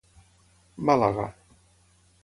Màlaga: